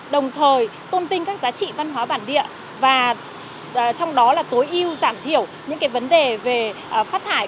đồng thời tôn vinh các giá trị văn hóa bản địa và trong đó là tối ưu giảm thiểu những cái vấn đề về phát thải